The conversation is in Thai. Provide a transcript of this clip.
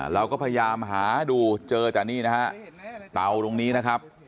เราก็พยายามหาดูเจอแต่นี่นะฮะเตาตรงนี้นะครับ